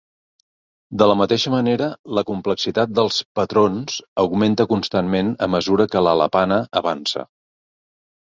De la mateixa manera, la complexitat dels patrons augmenta constantment a mesura que l'alapana avança.